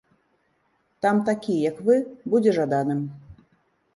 Там такі, як вы, будзе жаданым.